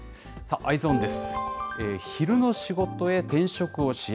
さあ、Ｅｙｅｓｏｎです。